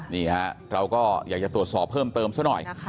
นี่ฮะเราก็อยากจะตรวจสอบเพิ่มเติมซะหน่อย